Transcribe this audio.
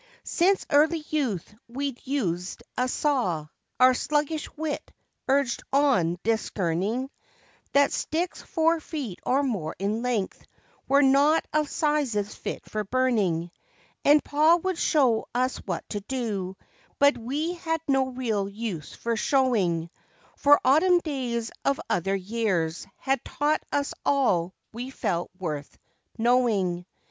Since early youth we*d used a saw, our sluggish wit, urged on, discerning That sticks four feet or more in length were not of sizes fit for burning; And pa would show us what to do, but we had no real use for showing— For autumn days of other years had taught us all we felt worth knowing.